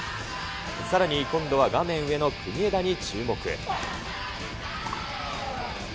さらに今度は画面上の国枝に注目。